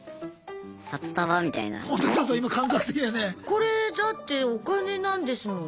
これだってお金なんですもの。